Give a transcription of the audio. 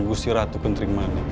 gusir ratu kenterimani